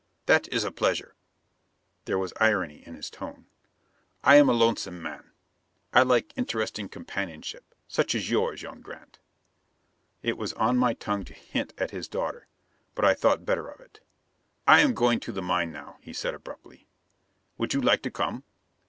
"That is a pleasure." There was irony in his tone. "I am a lonesome man. I like interesting companionship, such as yours, young Grant." It was on my tongue to hint at his daughter. But I thought better of it. "I am going to the mine now," he said abruptly. "Would you like to come?"